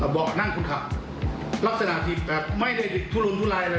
เบาะนั่งคนขับลักษณะผิดแบบไม่ได้ทุลนทุลายเลย